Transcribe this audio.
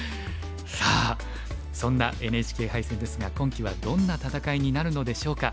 さあそんなＮＨＫ杯戦ですが今期はどんな戦いになるのでしょうか。